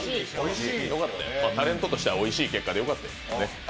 タレントとしてはおいしい結果でよかったですね。